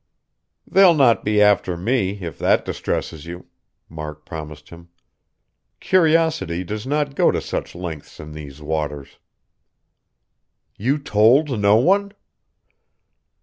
"They'll not be after me, if that distresses you," Mark promised him. "Curiosity does not go to such lengths in these waters." "You told no one?"